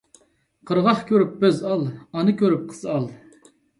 قىرغاق كۆرۈپ بۆز ئال، ئانا كۆرۈپ قىز ئال.